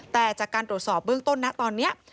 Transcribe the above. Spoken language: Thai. แต่จากการตรวจสอบเบื้องต้นนะตอนนี้